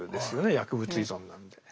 薬物依存なんで。